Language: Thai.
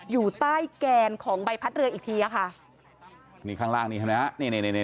อยู่ใต้แกนของใบพัดเรืออีกทีอ่ะค่ะนี่ข้างล่างนี่เห็นไหมฮะนี่นี่